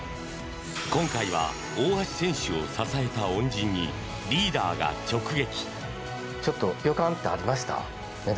今回は大橋選手を支えた恩人にリーダーが直撃。